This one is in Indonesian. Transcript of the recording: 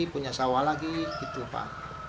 punya sawah lagi gitu pak